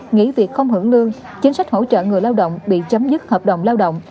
nghỉ việc không hưởng lương chính sách hỗ trợ người lao động bị chấm dứt hợp đồng lao động